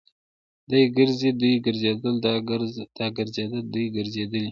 دی ګرځي. دوی ګرځيدل. دا ګرځيده. دوی ګرځېدلې.